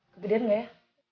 kegedean ga ya